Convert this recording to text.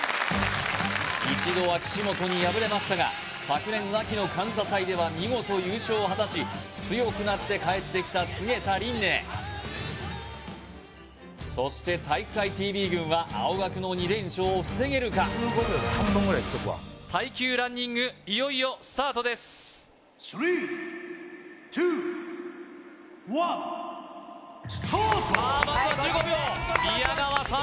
一度は岸本に敗れましたが昨年秋の「感謝祭」では見事優勝を果たし強くなって帰ってきた菅田琳寧そして体育会ＴＶ軍は青学の２連勝を防げるか１５秒で半分ぐらい行っとくわ耐久ランニングいよいよスタートですさあまずは１５秒宮川さん